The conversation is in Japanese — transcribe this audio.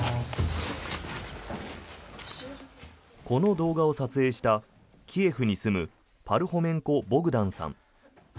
この動画を撮影したキエフに住むパルホメンコ・ボグダンさん。